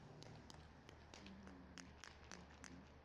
墓主人相传为二十四孝中的东汉人郭巨。